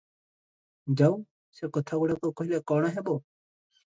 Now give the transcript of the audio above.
ଯାଉ ସେ କଥାଗୁଡ଼ାକ - କହିଲେ କଣ ହେବ?